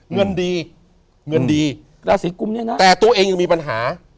เงินดีเงินดีราศีกุมเนี่ยนะแต่ตัวเองยังมีปัญหา